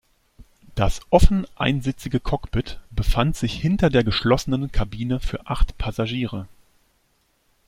Das offene einsitzige Cockpit befand sich hinter der geschlossenen Kabine für acht Passagiere.